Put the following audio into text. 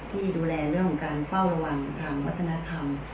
ที่ดูแลเรื่องของการเฝ้าระวังทางวัฒนธรรม